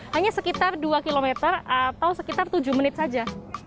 hanya sekitar dua km atau sekitar tujuh menit saja